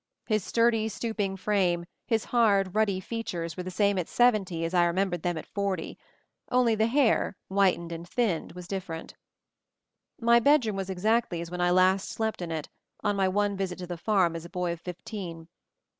His sturdy, stooping frame, his hard, ruddy features were the same at seventy as I remembered them at forty, only the hair, whitened and thinned, was different. My bedroom was exactly as when I last slept in it, on my one visit to the farm as a boy of fifteen.